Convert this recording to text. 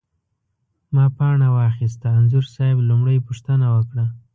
ما پاڼه واخسته، انځور صاحب لومړۍ پوښتنه وکړه.